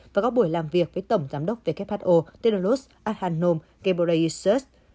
và góp buổi làm việc với tổng giám đốc who tedros adhanom ghebreyesus